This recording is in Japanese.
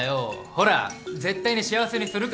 ほら絶対に幸せにするから。